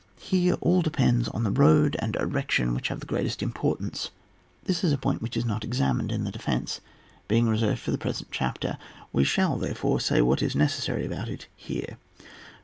Here all depends on the road and direction which have the greatest importance ; this is a point which was not examined in the defence, being reserved for the present chapter. We shall, therefore, say what is necessary about it here.